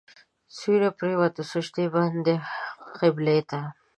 سیوري پرېوتل سجدې باندې قبلې ته.